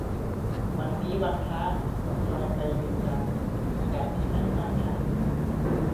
วันนี้วันพระ ใครไปเวียงจันทร์กันที่ไหนมั่งฮะ